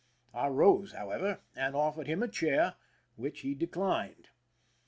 I rose, however, and offered him a chair, which he declined.